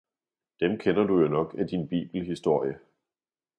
Dem kender du jo nok af din bibelhistorie!